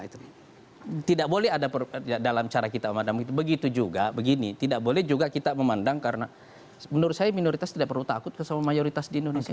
itu tidak boleh ada dalam cara kita memandang begitu juga begini tidak boleh juga kita memandang karena menurut saya minoritas tidak perlu takut sama mayoritas di indonesia